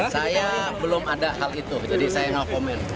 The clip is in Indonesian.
saya belum ada hal itu jadi saya no comment